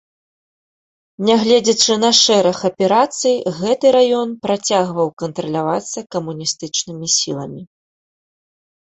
Нягледзячы на шэраг аперацый, гэты раён працягваў кантралявацца камуністычнымі сіламі.